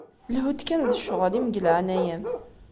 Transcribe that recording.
Lhu-d kan d ccɣel-im, deg leɛnaya-m.